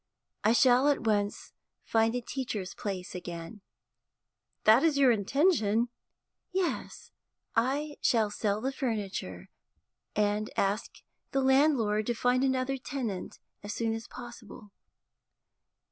I shall at once find a teacher's place again.' 'That is your intention?' 'Yes. I shall sell the furniture, and ask the landlord to find another tenant as soon as possible.